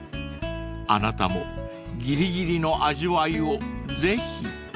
［あなたもギリギリの味わいをぜひ］